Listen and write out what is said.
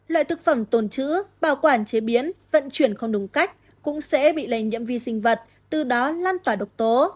loại thực phẩm tồn chữ bảo quản chế biến vận chuyển không đúng cách cũng sẽ bị lây nhiễm vi sinh vật từ đó lan tỏa độc tố